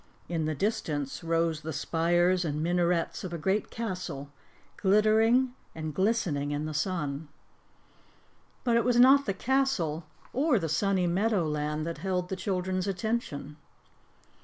In the distance rose the spires and minarets of a great castle, glittering and glistening in the sunlight. But it was not the castle or the sunny meadowland that held the children's attention.